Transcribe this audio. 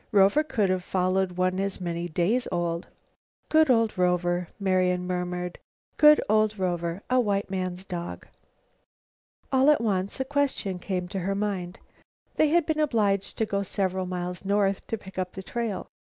Rover could have followed one as many days old. "Good old Rover," Marian murmured, "good old Rover, a white man's dog." All at once a question came to her mind. They had been obliged to go several miles north to pick up the trail.